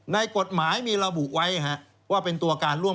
ในกฎหมายมีระบุไว้ว่าเป็นตัวการร่วม